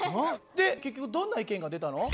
で結局どんな意見が出たの？